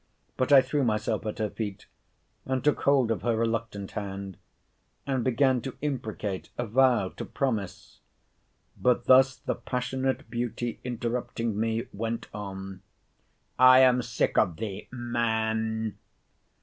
—But I threw myself at her feet, and took hold of her reluctant hand, and began to imprecate, avow, to promise—But thus the passionate beauty, interrupting me, went on: I am sick of thee, MAN!